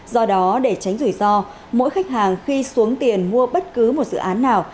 do đó để tránh rủi ro mỗi khách hàng khi xuống tiền mua bất cứ một dự án nào